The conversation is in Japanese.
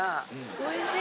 おいしい。